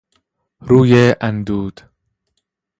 روی اندود